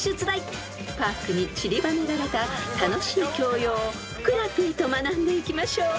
［パークにちりばめられた楽しい教養をふくらＰと学んでいきましょう］